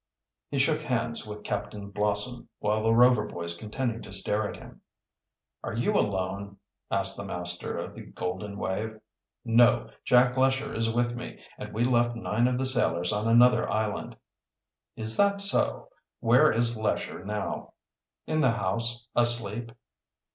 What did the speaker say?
He shook hands with Captain Blossom, while the Rover boys continued to stare at him. "Are you alone?" asked the master of the Golden Wave. "No, Jack Lesher is with me, and we left nine of the sailors on another island." "Is that so? Where is Lesher now?" "In the house, asleep."